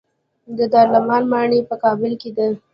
د دارالامان ماڼۍ په کابل کې ده